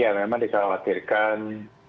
ya memang dikhawatirkan